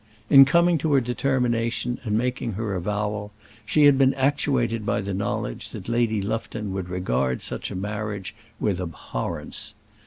In coming to her determination, and making her avowal, she had been actuated by the knowledge that Lady Lufton would regard such a marriage with abhorrence.